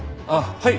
はい。